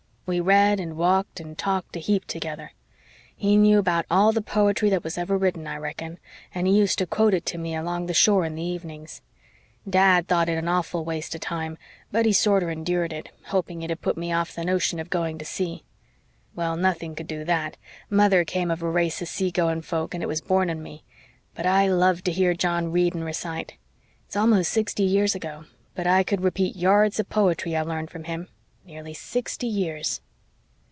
We read and walked and talked a heap together. He knew about all the poetry that was ever written, I reckon, and he used to quote it to me along shore in the evenings. Dad thought it an awful waste of time, but he sorter endured it, hoping it'd put me off the notion of going to sea. Well, nothing could do THAT mother come of a race of sea going folk and it was born in me. But I loved to hear John read and recite. It's almost sixty years ago, but I could repeat yards of poetry I learned from him. Nearly sixty years!"